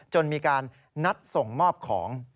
จนมีการนัดส่งมอบของ